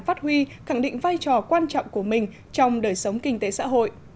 phát huy khẳng định vai trò quan trọng của mình trong đời sống kinh tế xã hội